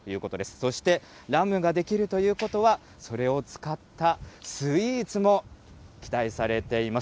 そして、ラムが出来るということは、それを使ったスイーツも期待されています。